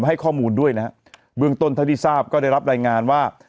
ให้ข้อมูลด้วยนะฮะเบื้องต้นเท่าที่ทราบก็ได้รับรายงานว่า